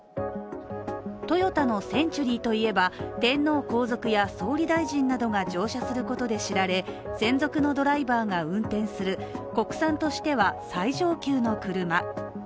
トヨタのセンチュリーといえば、天皇皇族や総理大臣などが乗車することで知られ専属のドライバーが運転する国産としては最上級の車。